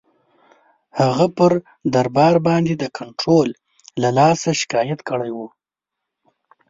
هغه پر دربار باندي د کنټرول له لاسه شکایت کړی وو.